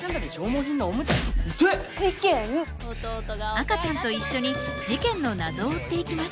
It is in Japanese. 赤ちゃんと一緒に事件の謎を追っていきます。